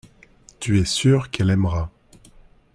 Tu es sûr qu’elle aimera.